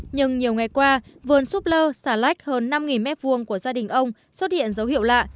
nhưng nhiều ngày qua vườn súp lơ xà lách hơn năm m hai của gia đình ông xuất hiện dấu hiệu lạ